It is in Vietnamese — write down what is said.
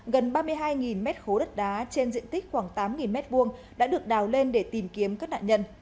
gần ba mươi hai mét khố đất đá trên diện tích khoảng tám mét vuông đã được đào lên để tìm kiếm các nạn nhân